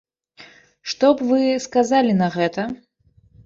Што б вы сказалі на гэта?